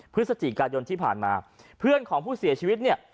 พฤศจิกายนที่ผ่านมาเพื่อนของผู้เสียชีวิตเนี่ย